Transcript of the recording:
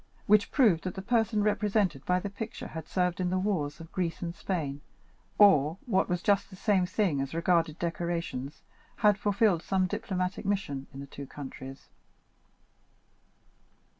which proved that the person represented by the picture had served in the wars of Greece and Spain, or, what was just the same thing as regarded decorations, had fulfilled some diplomatic mission in the two countries.